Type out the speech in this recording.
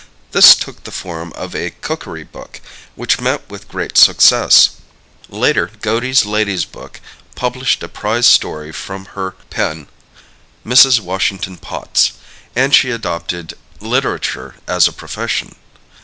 This took the form of a cookery book, which met with great success. Later, Godey's Ladies' Book published a prize story from her pen "Mrs. Washington Potts" and she adopted literature as a profession.